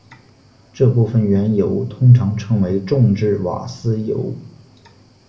这部分原油通常称为重质瓦斯油。